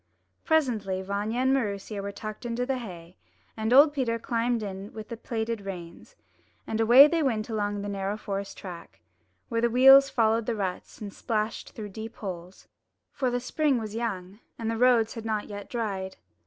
Presently Vanya and Maroosia were tucked into the hay, and old Peter climbed in with the plaited reins, and away they went along the narrow forest track, where the wheels followed the ruts and splashed through the deep holes; for the spring was young, and the roads had not yet dried.